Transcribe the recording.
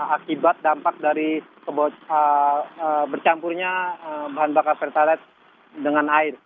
akibat dampak dari bercampurnya bahan bakar pertalite dengan air